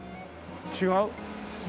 違う？